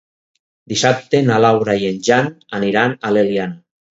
Dissabte na Laura i en Jan aniran a l'Eliana.